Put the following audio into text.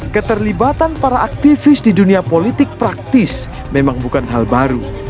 keterlibatan para aktivis di dunia politik praktis memang bukan hal baru